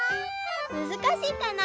むずかしいかな？